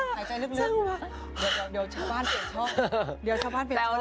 หายใจลึกเดี๋ยวชาวบ้านเปลี่ยนช่องเดี๋ยวชาวบ้านเปลี่ยนช่อง